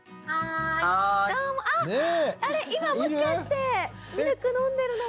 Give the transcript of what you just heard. あれ今もしかしてミルク飲んでるのは。